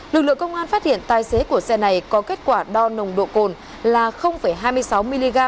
lực lượng công an phát hiện tài xế của xe này có kết quả đo nồng độ cồn là hai mươi sáu mg